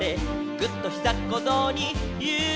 「ぐっ！とひざっこぞうにゆうきをため」